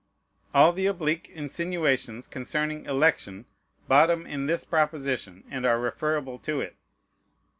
All the oblique insinuations concerning election bottom in this proposition, and are referable to it.